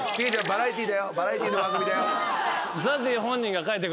バラエティーの番組だよ。え！？